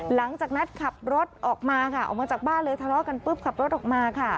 หลังจากนั้นขับรถออกมาค่ะออกมาจากบ้านเลยทะเลาะกันปุ๊บขับรถออกมาค่ะ